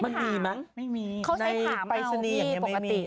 มันมีมั้ยเมื่อในไปซานียังมันยังไม่มี